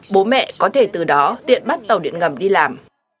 bố mẹ có thể từ đó tiện bắt tàu điện ngầm đi làm